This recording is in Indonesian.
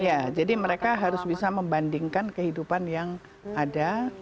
ya jadi mereka harus bisa membandingkan kehidupan yang ada